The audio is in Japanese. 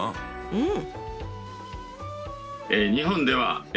うん。